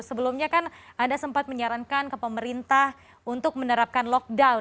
sebelumnya kan anda sempat menyarankan ke pemerintah untuk menerapkan lockdown